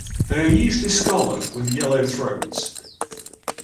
They are usually scarlet with yellow throats.